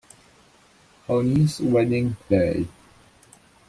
On His Wedding Day